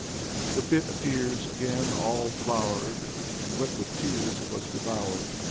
The bit appears Again all floured. And wet with tears It was devoured.